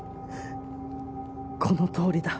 このとおりだ。